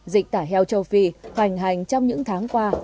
dịch tả heo châu phi hoành hành trong những tháng qua